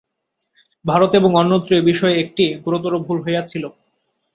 ভারতে এবং অন্যত্র এ বিষয়ে একটি গুরুতর ভুল হইয়াছিল।